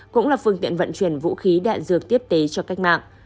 cũng là phương tiện vận chuyển vũ khí đạn dược tiếp tế cho cách mạng